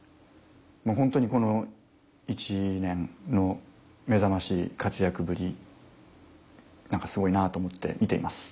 ホントにこの１年の目覚ましい活躍ぶり何かすごいなと思って見ています。